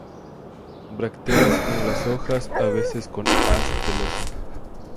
Brácteas como las hojas, a veces con haz pelosa.